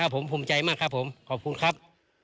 ผมภูมิใจมากครับผมขอบคุณครับ